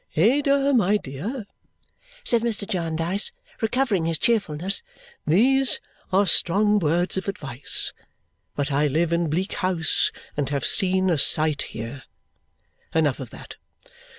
"Ada, my dear," said Mr. Jarndyce, recovering his cheerfulness, "these are strong words of advice, but I live in Bleak House and have seen a sight here. Enough of that.